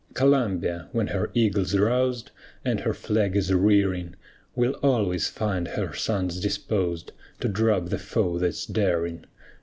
Columbia, when her eagle's roused, And her flag is rearing Will always find her sons disposed To drub the foe that's daring.